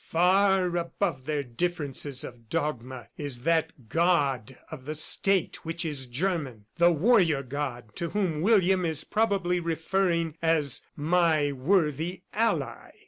"Far above their differences of dogma is that God of the State which is German the Warrior God to whom William is probably referring as 'my worthy Ally.